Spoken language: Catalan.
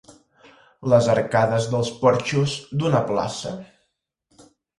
Les arcades dels porxos d'una plaça.